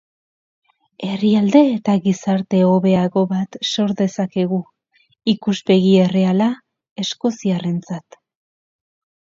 Herrialde eta gizarte hobeago bat sor dezakegu, ikuspegi erreala eskoziarrentzat.